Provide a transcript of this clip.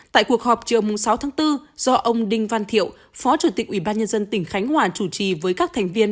tại cuộc họp chiều sáu bốn do ông đinh văn thiệu phó chủ tịch ubnd tỉnh khánh hòa chủ trì với các thành viên